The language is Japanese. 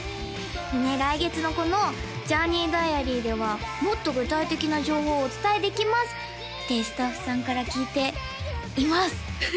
でね来月のこのＪｏｕｒｎｅｙＤｉａｒｙではもっと具体的な情報をお伝えできます！ってスタッフさんから聞いています